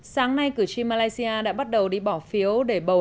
sáng nay cử tri malaysia đã bắt đầu đi bỏ phiếu